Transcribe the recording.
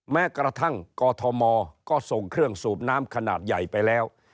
แม้กระทั่งกอทมก็ส่งเครื่องสูบน้ำขนาดใหญ่ไปแล้ว